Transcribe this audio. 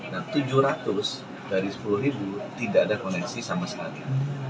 nah tujuh ratus dari sepuluh ribu tidak ada koneksi sama sekali